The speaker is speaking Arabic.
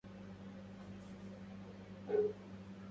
بلغك الله أن يهنأ مولودك